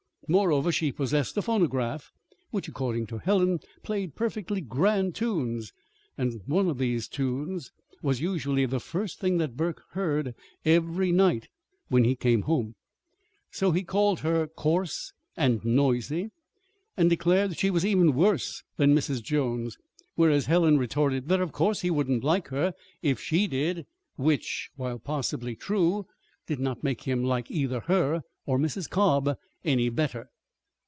Moreover, she possessed a phonograph which, according to Helen, played "perfectly grand tunes"; and some one of these tunes was usually the first thing that Burke heard every night when he came home. So he called her coarse and noisy, and declared she was even worse than Mrs. Jones; whereat Helen retorted that of course he wouldn't like her, if she did which (while possibly true) did not make him like either her or Mrs. Cobb any better.